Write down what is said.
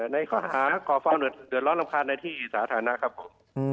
ในข้อหาครอฟาร์นด์เดือดร้อนรำคาในที่ศาสนธารณะครับผม